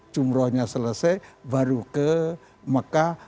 jumrohnya selesai baru ke mekah